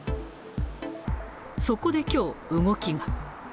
そこできょう、動きが。